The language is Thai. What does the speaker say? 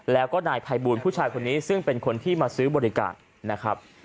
แล้วก็นายภัยบูลผู้ชายคนนี้ซึ่งเป็นคนที่มาซื้อบริการนะครับ